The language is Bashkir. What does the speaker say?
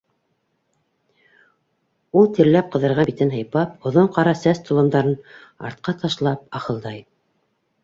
— Ул тирләп ҡыҙарған битен һыйпап, оҙон ҡара сәс толомдарын артҡа ташлап ахылдай.